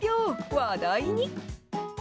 話題に。